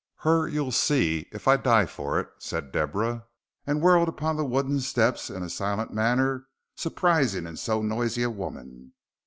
"Her you'll see, if I die for it," said Deborah, and whirled up the wooden steps in a silent manner surprising in so noisy a woman.